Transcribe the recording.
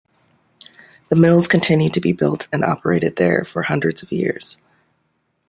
The mills continued to be built and operated there for hundreds of years.